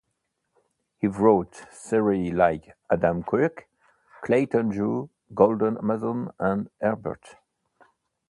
He wrote series like "Adam Quirke", "Clayton Drew", "Golden Amazon", and "Herbert".